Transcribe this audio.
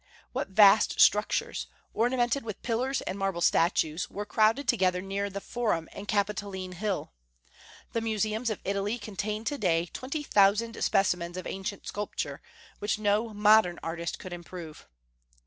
What vast structures, ornamented with pillars and marble statues, were crowded together near the Forum and Capitoline Hill! The museums of Italy contain to day twenty thousand specimens of ancient sculpture, which no modern artist could improve.